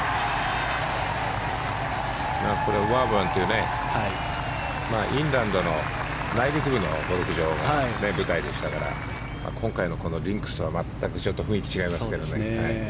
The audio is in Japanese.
これはウォーバンというイングランドの内陸部のゴルフ場が舞台でしたから今回のリンクスは全く雰囲気が違いますけどね。